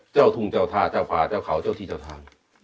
ทุ่งเจ้าท่าเจ้าผ่าเจ้าเขาเจ้าที่เจ้าทาง